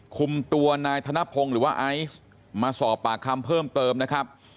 คุมตัวนายธนพงศ์หรือว่าไอซ์มาสอบปากคำเพิ่มเติมนะครับ